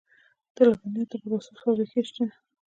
د لبنیاتو د پروسس فابریکې شته